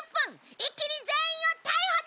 一気に全員を逮捕だ！